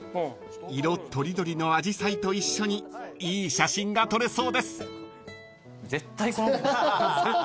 ［色とりどりのあじさいと一緒にいい写真が撮れそうです］ハハハ。